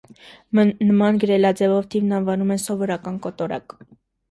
Նման գրելաձևով թիվն անվանում են սովորական կոտորակ։